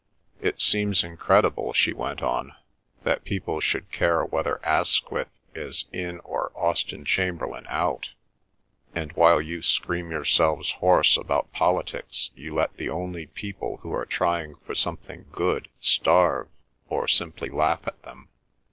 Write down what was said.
"It seems incredible," she went on, "that people should care whether Asquith is in or Austen Chamberlain out, and while you scream yourselves hoarse about politics you let the only people who are trying for something good starve or simply laugh at them.